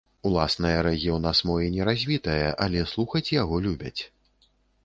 Уласнае рэгі ў нас мо і не развітае, але слухаць яго любяць.